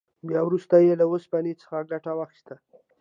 بیا وروسته یې له اوسپنې څخه ګټه واخیسته.